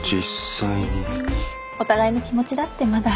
お互いの気持ちだってまだ。